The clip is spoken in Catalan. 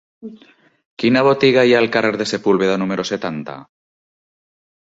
Quina botiga hi ha al carrer de Sepúlveda número setanta?